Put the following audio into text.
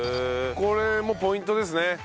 これもポイントですね。